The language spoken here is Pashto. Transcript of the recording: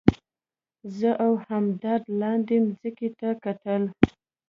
زه او همدرد لاندې مځکې ته کتل.